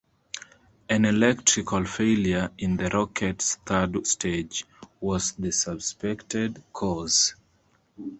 An electrical failure in the rocket's third stage was the suspected cause.